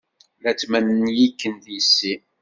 La tetmenyikem yes-i?